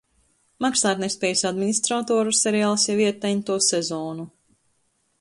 Maksātnespējas administratoru seriāls jau iet ento sezonu.